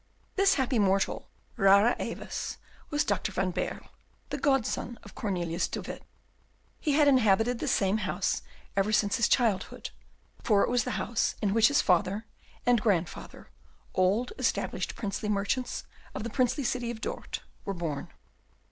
This happy mortal, rara avis, was Dr. van Baerle, the godson of Cornelius de Witt. He had inhabited the same house ever since his childhood, for it was the house in which his father and grandfather, old established princely merchants of the princely city of Dort, were born.